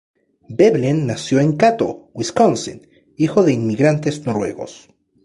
Veblen nació en Cato, Wisconsin, hijo de inmigrantes noruegos.